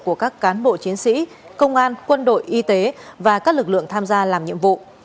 của các cán bộ chiến sĩ công an quân đội y tế và các lực lượng tham gia làm nhiệm vụ